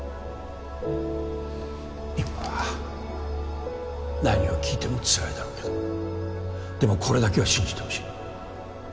今は何を聞いてもつらいだろうけどでもこれだけは信じてほしい。